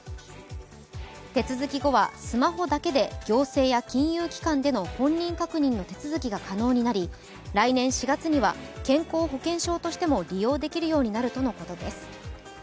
手続き後はスマホだけで行政や金融機関での本人確認の手続きが可能になり来年４月には健康保険証としても利用できるようになるとのことです。